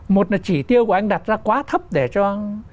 một là chỉ tiêu của anh đặt ra quá thấp để cho